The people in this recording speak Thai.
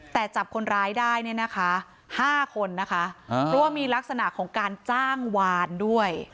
แต่จับคนร้ายได้เนี่ยนะคะ๕คนนะคะเพราะว่ามีลักษณะของการจ้างวานด้วย